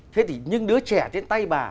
thế thì những đứa trẻ trên tay bà